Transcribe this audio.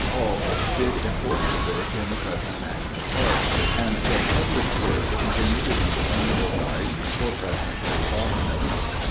Hall did important work in the present national park, and their published Works continue to be dependable guides for present day botanists.